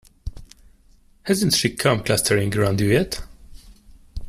Hasn't she come clustering round you yet?